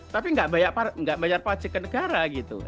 tapi nggak bayar pajak ke negara gitu